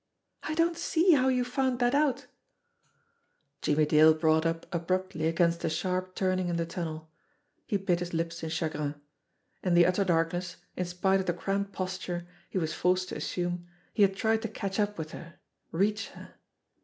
"I don't see how you found that out !" Jimmie Dale brought up abruptly against a sharp turning in the tunnel. He bit his lips in chagrin. In the utter darkness, in spite of the cramped posture he was forced to assume, he had tried to catch up with her, reach her.